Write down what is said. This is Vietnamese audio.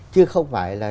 chứ không phải là